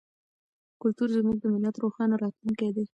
کلتور زموږ د ملت روښانه راتلونکی دی.